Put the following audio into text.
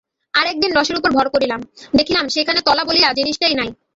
আর একদিন রসের উপর ভর করিলাম, দেখিলাম সেখানে তলা বলিয়া জিনিসটাই নাই।